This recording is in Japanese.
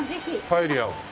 パエリアを？